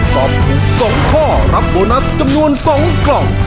ตอบถูก๒ข้อรับโบนัสจำนวน๒กล่อง